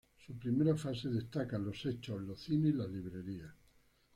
Su primera fase destacan los "sex shop", los cines y las librerías.